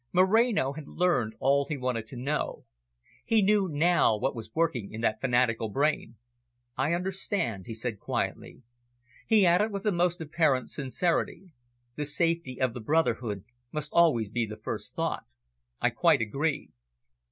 Moreno had learned all he wanted to know. He knew now what was working in that fanatical brain. "I understand," he said quietly. He added with the most apparent sincerity. "The safety of the brotherhood must always be the first thought. I quite agree."